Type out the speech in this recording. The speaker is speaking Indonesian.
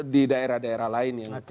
di daerah daerah lain